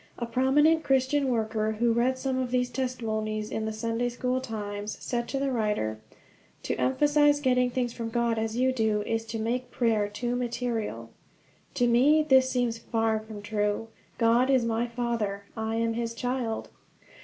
A prominent Christian worker, who read some of these testimonies in The Sunday School Times, said to the writer: "To emphasize getting things from God, as you do, is to make prayer too material." To me this seems far from true. God is my Father, I am his child.